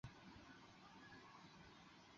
是福音战士新剧场版系列的第一部。